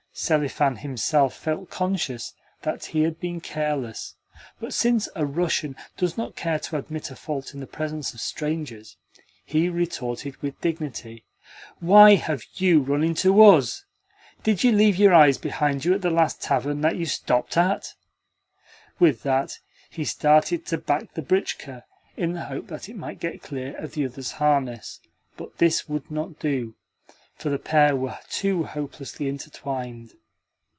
Selifan himself felt conscious that he had been careless, but since a Russian does not care to admit a fault in the presence of strangers, he retorted with dignity: "Why have you run into US? Did you leave your eyes behind you at the last tavern that you stopped at?" With that he started to back the britchka, in the hope that it might get clear of the other's harness; but this would not do, for the pair were too hopelessly intertwined.